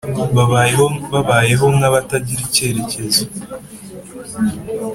babayeho babayeho nkabatagira ikerekezo.